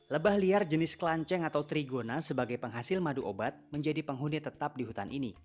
lebah liar jenis kelanceng atau trigona sebagai penghasil madu obat menjadi penghuni tetap di hutan ini